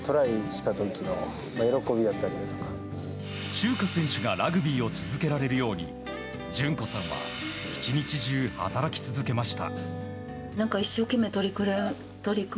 チューカ選手がラグビーを続けられるように淳子さんは１日中、働き続けました。